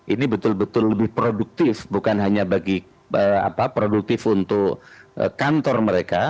ini betul betul lebih produktif bukan hanya bagi produktif untuk kantor mereka